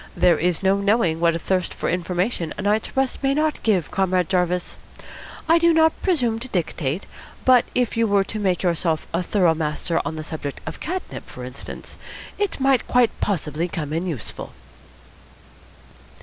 There is no knowing what thirst for information a night's rest may not give Comrade Jarvis. I do not presume to dictate, but if you were to make yourself a thorough master of the subject of catnip, for instance, it might quite possibly come in useful."